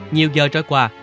nhiều giờ trôi qua